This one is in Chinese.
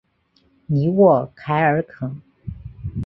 尼沃凯尔肯。